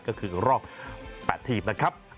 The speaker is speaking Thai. ก็คือรอบ๘ทีมนะครับ